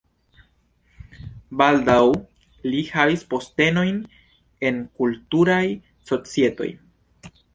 Baldaŭ li havis postenojn en kulturaj societoj.